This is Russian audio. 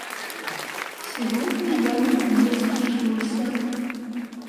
Сегодня я наконец решился.